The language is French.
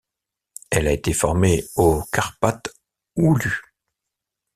Elle a été formée au Kärpät Oulu.